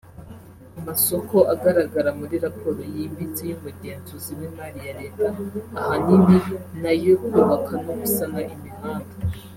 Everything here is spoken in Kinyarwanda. Amasoko agaragara muri raporo yimbitse y’umugenzuzi w’imari ya Leta ahanini ni ayo kubaka no gusana imihanda